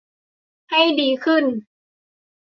ให้ดีขึ้น